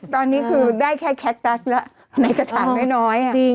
ตอนนี้คือได้แค่แคตัสละในกระถามให้น้อยอะ